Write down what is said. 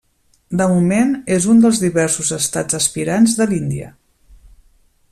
De moment és un dels diversos estats aspirants de l'Índia.